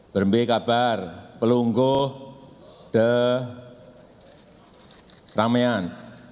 berhenti kabar pelunggu de ramean